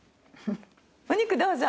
お肉どうぞ。